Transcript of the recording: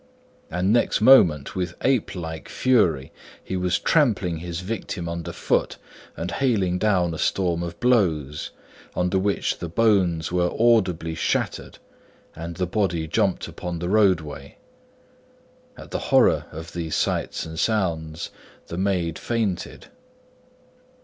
And next moment, with ape like fury, he was trampling his victim under foot and hailing down a storm of blows, under which the bones were audibly shattered and the body jumped upon the roadway. At the horror of these sights and sounds, the maid fainted.